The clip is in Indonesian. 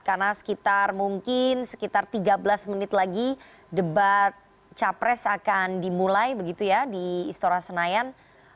karena sekitar mungkin sekitar tiga belas menit lagi debat capres akan dimulai begitu ya di istora senayan